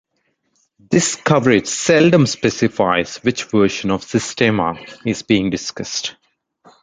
This coverage seldom specifies which version of Systema is being discussed.